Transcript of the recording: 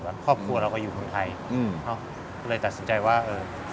ครอบครัวเราก็อยู่เมืองไทยอืมเนอะก็เลยตัดสินใจว่าเออ